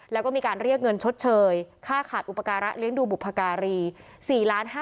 แล้วก็มีการเรียกเงินชดเชยค่าขาดอุปการะเลี้ยงดูบุพการี